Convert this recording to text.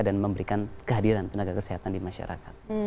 dan memberikan kehadiran tenaga kesehatan di masyarakat